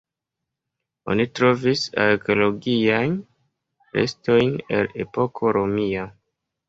Oni trovis arkeologiajn restojn el epoko romia.